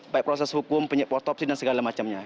baik proses hukum otopsi dan segala macamnya